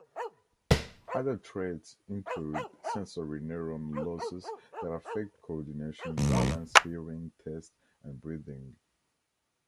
Other traits include sensory neuron losses that affect coordination, balance, hearing, taste, and breathing.